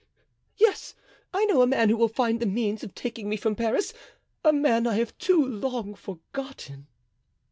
yes! I know a man who will find the means of taking me from Paris, a man I have too long forgotten."